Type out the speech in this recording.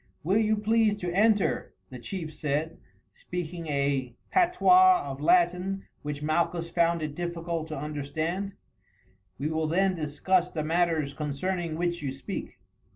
"Will you please to enter," the chief said, speaking a patois of Latin which Malchus found it difficult to understand. "We will then discuss the matters concerning which you speak."